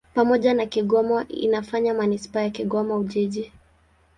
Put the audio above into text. Pamoja na Kigoma inafanya manisipaa ya Kigoma-Ujiji.